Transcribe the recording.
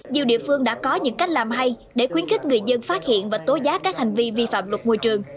nhiều địa phương đã có những cách làm hay để khuyến khích người dân phát hiện và tố giá các hành vi vi phạm luật môi trường